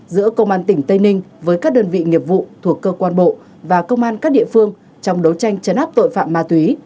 giữa công an tỉnh tây ninh với các đơn vị nghiệp vụ thuộc cơ quan bộ và công an các địa phương trong đấu tranh chấn áp tội phạm ma túy